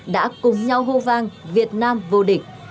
đã cùng nhau hô vang việt nam vô địch